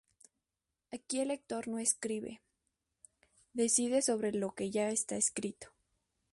Aquí el lector no escribe, decide sobre lo ya escrito.